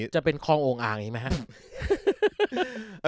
จะเป็นคลองโองอางอย่างนี้มั้ยฮะ